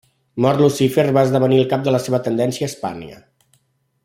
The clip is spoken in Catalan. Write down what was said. Mort Lucífer va esdevenir el cap de la seva tendència a Hispània.